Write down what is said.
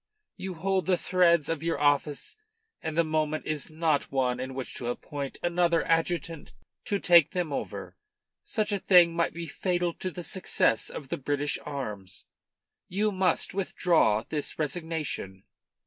You hold the threads of your office and the moment is not one in which to appoint another adjutant to take them over. Such a thing might be fatal to the success of the British arms. You must withdraw this resignation."